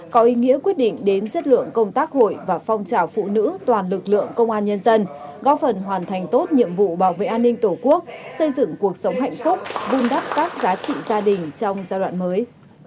có ý nghĩa quyết định đến chất lượng công tác hội và phong trào phụ nữ toàn lực lượng công an nhân dân góp phần hoàn thành tốt nhiệm vụ bảo vệ an ninh tổ quốc xây dựng cuộc sống hạnh phúc vun đắp các giá trị gia đình trong giai đoạn mới